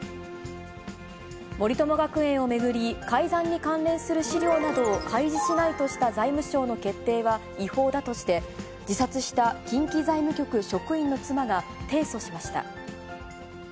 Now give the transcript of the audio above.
森友学園を巡り、改ざんに関連する資料などを開示しないとした財務省の決定は違法だとして、自殺した近畿財務局職員の妻が提訴しました。